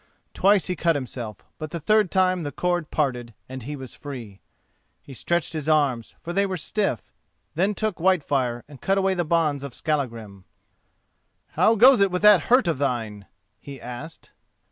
Twice he cut himself, but the third time the cord parted and he was free. He stretched his arms, for they were stiff; then took Whitefire and cut away the bonds of Skallagrim. "How goes it with that hurt of thine?" he asked.